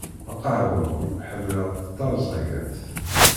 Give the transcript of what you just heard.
Lqahwa-w, ḥemmleɣ-tt d tarẓagant.